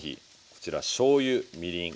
こちらしょうゆみりん